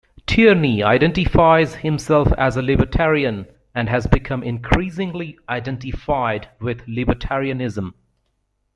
Tierney identifies himself as a libertarian and has become increasingly identified with libertarianism.